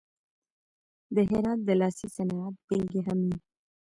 د هرات د لاسي صنعت بیلګې هم وې.